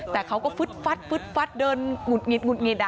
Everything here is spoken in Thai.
แต่เขาก็ฟึดฟัดเดินหงุดหงิด